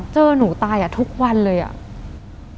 เจอหนูตายอะทุกวันเลยอะ